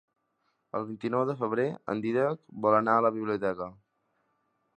El vint-i-nou de febrer en Dídac vol anar a la biblioteca.